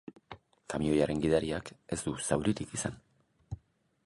Kamioiaren gidariak ez du zauririk izan.